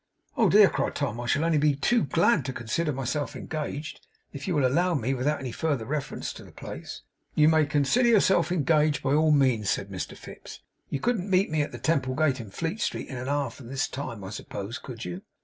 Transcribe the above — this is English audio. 'Oh, dear!' cried Tom. 'I shall only be too glad to consider myself engaged, if you will allow me; without any further reference to the place.' 'You may consider yourself engaged, by all means,' said Mr Fips; 'you couldn't meet me at the Temple Gate in Fleet Street, in an hour from this time, I suppose, could you?